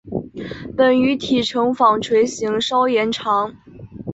本鱼体成纺锤型稍延长。